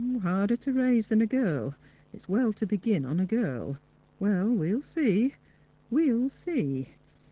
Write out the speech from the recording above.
Harder to raise than a girl. It's well to begin on a girl. Well, "we'll see — we'll see!